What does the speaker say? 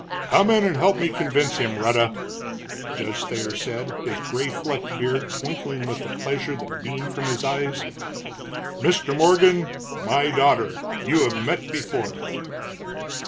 "Come in and help me convince him, Rhetta," Judge Thayer said, his gray flecked beard twinkling with the pleasure that beamed from his eyes. "Mr. Morgan, my daughter. You have met before."